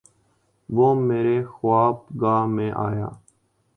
وہ میرے خواب گاہ میں آیا